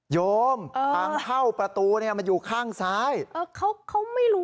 โยมทางเข้าประตูเนี่ยมันอยู่ข้างซ้ายเออเขาเขาไม่รู้